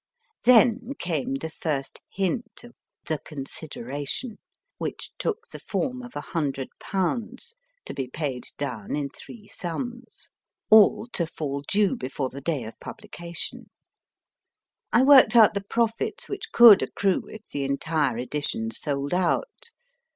Then came the first hint of * the consideration, which took the form of a hundred pounds, to be paid down in three sums, all to 246 MY FIRST BOOK fall due before the day of publication. I worked out the profits which could accrue if the entire edition sold out.